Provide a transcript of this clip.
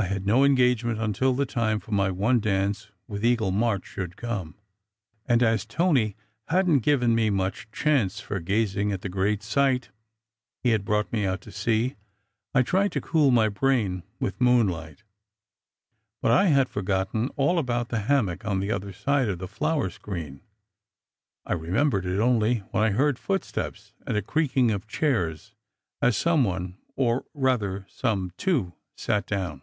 I had no engage ment until the time for my one dance with Eagle March should come; and as Tony hadn t given me much chance for gazing at the "great sight" he had brought me out to see, I tried to cool my brain with moonlight. But I had forgotten all about the hammock on the other side of the flower screen. I remembered it only when I heard foot steps, and a creaking of chairs as some one or rather some two sat down.